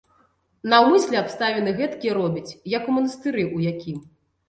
Наўмысля абставіны гэткія робіць, як у манастыры ў якім.